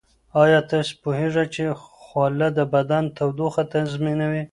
ایا تاسو پوهیږئ چې خوله د بدن تودوخه تنظیموي؟